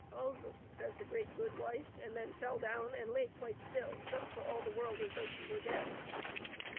" Ugh !" says the good wife, and then fell down and lay quite still, just for all the world as though she were dead.